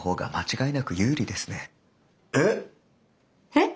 えっ！？